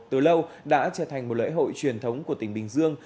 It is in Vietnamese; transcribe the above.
từ lâu đã trở thành một lễ hội truyền thống của tỉnh bình dương